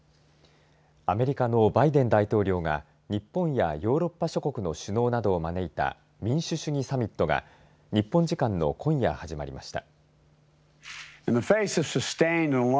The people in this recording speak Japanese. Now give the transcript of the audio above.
アメリカのバイデン大統領が日本やヨーロッパ諸国の首脳などを招いた民主主義サミットが日本時間の今夜、始まりました。